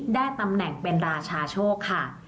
ได้ตำแหน่งเป็นราชาโชคค่ะ